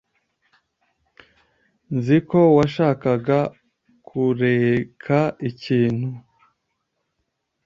Nzi ko washakaga kuereka ikintu.